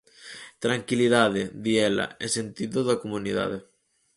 Tranquilidade -di ela- e sentido da comunidade.